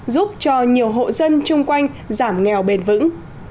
giúp cho nhiều hộ dân chung quanh giảm nghèo bền vững